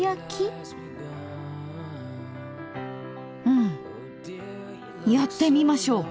うんやってみましょう！